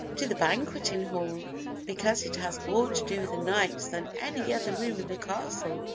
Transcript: "To the Banqueting Hall, because it has more to do with the knights than any other room in the castle."